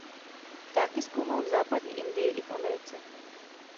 Ptáky zkoumal v Západní Indii i v Americe.